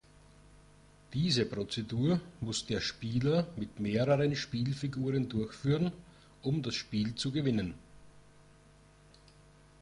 Diese Prozedur muss der Spieler mit mehreren Spielfiguren durchführen, um das Spiel zu gewinnen.